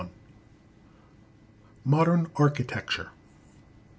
Modern Architecture.